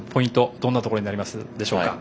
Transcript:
どんなところになるでしょうか。